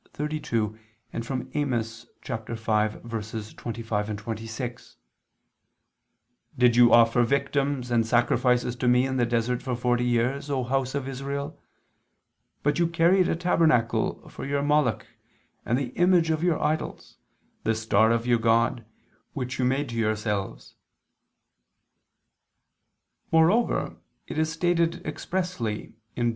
32 and from Amos 5:25, 26: "Did you offer victims and sacrifices to Me in the desert for forty years, O house of Israel? But you carried a tabernacle for your Moloch, and the image of your idols, the star of your god, which you made to yourselves." Moreover it is stated expressly (Deut.